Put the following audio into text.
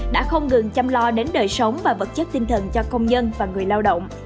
đã không ngừng chăm lo đến đời sống và vật chất tinh thần cho công nhân và người lao động